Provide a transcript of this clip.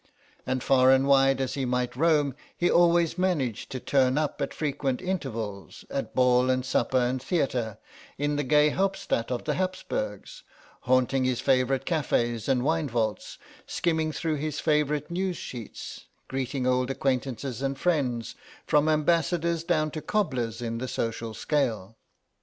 And far and wide as he might roam he always managed to turn up at frequent intervals, at ball and supper and theatre, in the gay Hauptstadt of the Habsburgs, haunting his favourite cafés and wine vaults, skimming through his favourite news sheets, greeting old acquaintances and friends, from ambassadors down to cobblers in the social scale.